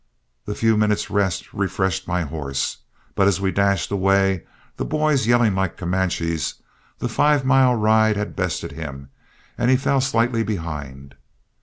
The few minutes' rest refreshed my horse, but as we dashed away, the boys yelling like Comanches, the five mile ride had bested him and he fell slightly behind.